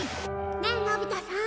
ねえのび太さん。